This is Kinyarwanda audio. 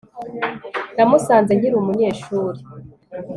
Namusanze nkiri umunyeshuri